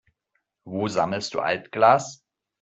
Wo sammelst du Altglas?